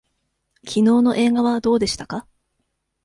きのうの映画はどうでしたか。